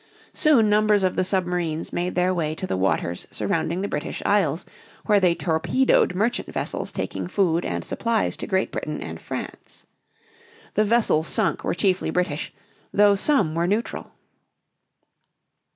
Soon numbers of the submarines made their way to the waters surrounding the British Isles, where they torpedoed merchant vessels taking food and supplies to Great Britain and France. The vessels sunk were chiefly British, though some were neutral.